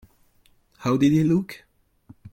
How did he look?